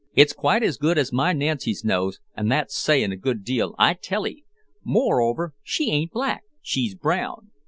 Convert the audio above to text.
It's quite as good as my Nancy's nose, an' that's sayin' a good deal, I tell 'ee. Moreover, she ain't black she's brown."